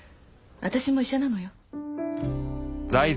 私も医者なのよ。